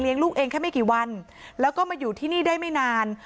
ลูกเองแค่ไม่กี่วันแล้วก็มาอยู่ที่นี่ได้ไม่นาน